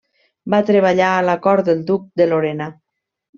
Va treballar a la cort del Duc de Lorena.